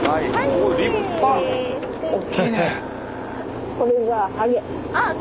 おっきいね。